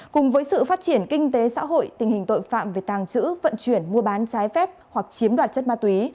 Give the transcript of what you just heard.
cùng với sự phát triển kinh tế xã hội tình hình tội phạm về tàng trữ vận chuyển mua bán trái phép hoặc chiếm đoạt chất ma túy